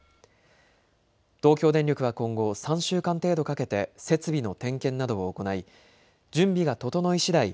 東京電力は今後、３週間程度かけて設備の点検などを行い準備が整いしだい